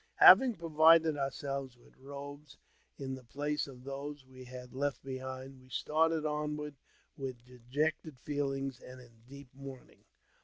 Having provided ourselves with robes in the place of those we had left behind, we started onward with dejected feelings, and in deep mourning.